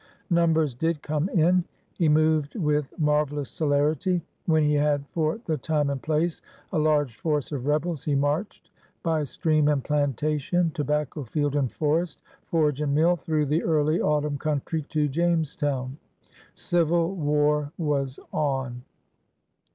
Numbers did come in. He moved with "marvelous celerity.'* When he had, for the time and place, a large force of rebels, he marched, by stream and plantation, tobacco field and forest, forge and mill, through the early autumn country to Jamestown. Civil war was on.